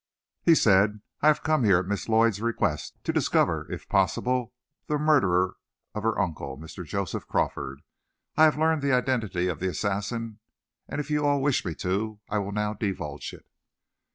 He said: "I have come here at Miss Lloyd's request, to discover, if possible, the murderer of her uncle, Mr. Joseph Crawford. I have learned the identity of the assassin, and, if you all wish me to, I will now divulge it."